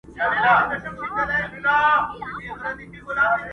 زما د آشنا غرونو کيسې کولې.!